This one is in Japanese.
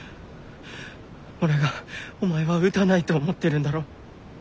俺がお前は撃たないと思ってるんだろう。